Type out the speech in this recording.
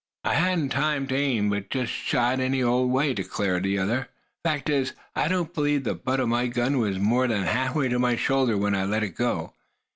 "I hadn't time to aim, but just shot any old way," declared the other. "Fact is, I don't believe the butt of my gun was more'n half way to my shoulder when I let go.